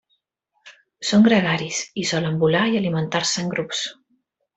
Són gregaris i solen volar i alimentar-se en grups.